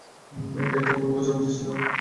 এটা একটা ভুল বোঝাবুঝি ছিলো।